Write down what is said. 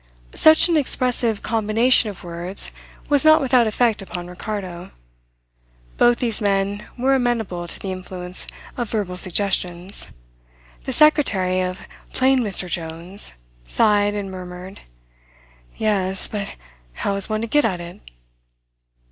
Such an expressive combination of words was not without effect upon Ricardo. Both these men were amenable to the influence of verbal suggestions. The secretary of "plain Mr. Jones" sighed and murmured. "Yes. But how is one to get at it?"